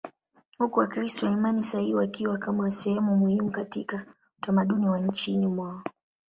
huku Wakristo wa imani sahihi wakiwa kama sehemu muhimu katika utamaduni wa nchini mwao.